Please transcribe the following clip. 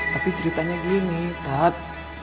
tapi ceritanya gini tat